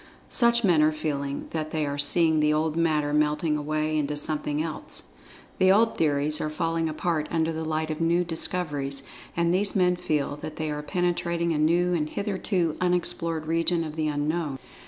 Such men are feeling that they are seeing the old Matter melting away into something else—the old theories are falling apart under the light of new discoveries—and these men feel that they are penetrating a new and hitherto unexplored region of the Unknown.